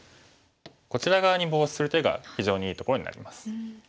こちら側にボウシする手が非常にいいところになります。